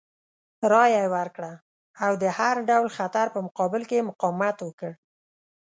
رایه یې ورکړه او د هر ډول خطر په مقابل کې یې مقاومت وکړ.